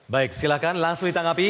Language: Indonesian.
baik silahkan langsung ditanggapi